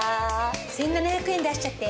１７００円出しちゃって。